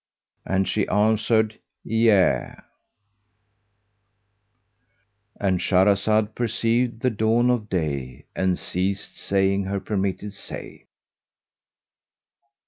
and she answered, "Yea,"—And Shahrazad perceived the dawn of day and ceased saying her permitted say.